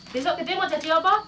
besok gede mau jadi apa